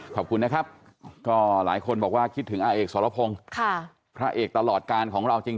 ขอบคุณนะครับก็หลายคนบอกว่าคิดถึงอาเอกสรพงศ์พระเอกตลอดการของเราจริง